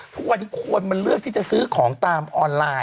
ทุกวันนี้คนมันเลือกที่จะซื้อของตามออนไลน์